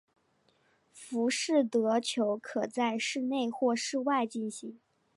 浮士德球可在室内或室外进行。